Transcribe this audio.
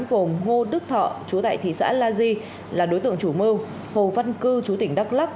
gồm ngô đức thọ chú tại thị xã la di là đối tượng chủ mưu hồ văn cư chú tỉnh đắk lắc